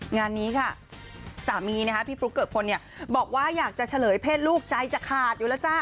งานนี้ค่ะสามีนะคะพี่ฟลุ๊กเกิกพลเนี่ยบอกว่าอยากจะเฉลยเพศลูกใจจะขาดอยู่แล้วจ้า